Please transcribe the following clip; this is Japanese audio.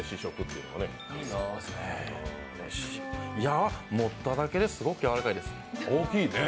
いや、持っただけですごくやわらかいです。